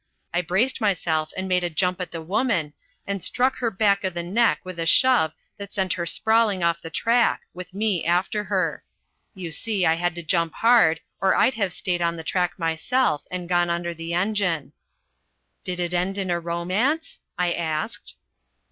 I braced myself and made a jump at the woman, and struck her back of the neck with a shove that sent her sprawling off the track, with me after her. You see, I had to jump hard or I'd have stayed on the track myself and gone under the engine." "Did it end in a romance?" I asked.